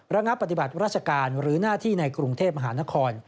ระงับปฏิบัติราชการหรือหน้าที่ในกรุงเทพมหานคร